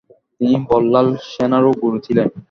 তিনি বল্লাল সেনেরও গুরু ছিলেন।